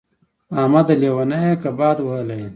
احمده! لېونی يې که باد وهلی يې.